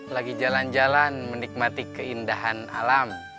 lagi jalan jalan menikmati keindahan alam